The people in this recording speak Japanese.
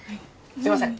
すいません。